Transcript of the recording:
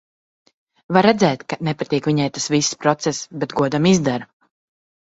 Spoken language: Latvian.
Var redzēt, ka nepatīk viņai tas viss process, bet godam izdara.